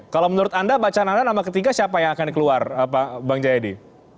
kalau menurut anda bacaan anda nama ketiga siapa yang akan keluar bang jayadi